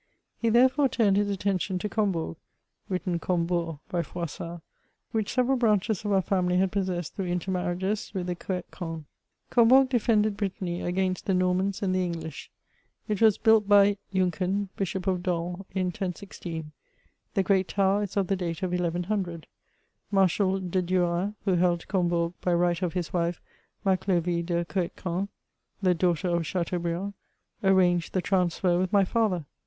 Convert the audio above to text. He, therefore, turned his attention to CombOurg (written Combour by Froissart), which several branches of our family had possessed through inter marriages with the Coetquens. Combourg defended Brittany against the Normans and the English. It was built by Junken, Bishop of Dol, in 1016: the great tower is of the date of 1100. Marshal de Duras, who held Combourg by right of his wife, Madovie de Coetquen (the daughter of a Chateau briand) arranged the transfer with my father.